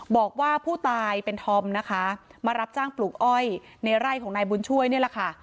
บอกว่าผู้ตายเป็นธอมนะคะมารับจ้างปลูกอ้อยในไร่ของนายบุญช่วยนี่แหละค่ะ